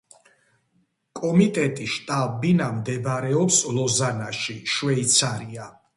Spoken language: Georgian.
კომიტეტის შტაბ-ბინა მდებარეობს ლოზანაში, შვეიცარია.